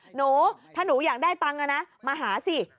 หนูถ้าหนูอยากได้ตังค์มาหาสิ